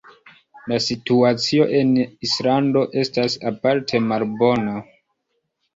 La situacio en Islando estas aparte malbona.